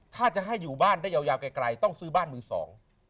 ถ้าจะให้อยู่บ้านได้ยาวยาวไกลต้องซื้อบ้านมือสอง